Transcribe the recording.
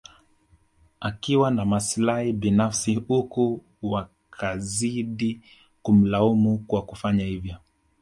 Akiwa na maslahi binafsi huku wakazidi kumlaumu kwa kufanya hivyo